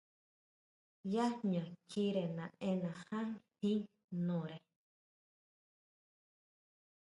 Yá jña kjiʼire naʼenna ján jin jnore.